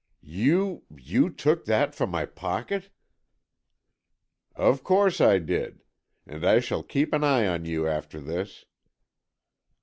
"You—you took that from my pocket!" "Of course I did. And I shall keep an eye on you after this.